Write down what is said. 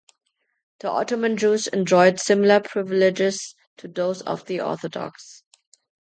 The Ottoman Jews enjoyed similar privileges to those of the Orthodox.